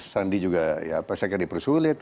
sandi juga saya kira dipersulit